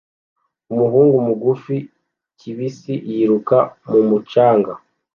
Umuhungu mugufi kibisi yiruka mumucanga